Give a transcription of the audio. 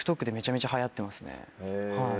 ＴｉｋＴｏｋでめちゃめちゃはやってますね。